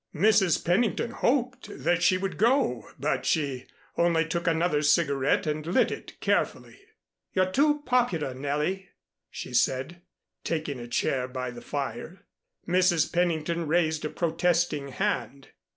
Mrs. Pennington hoped that she would go, but she only took another cigarette and lit it carefully. "You're too popular, Nellie," she said, taking a chair by the fire. Mrs. Pennington raised a protesting hand.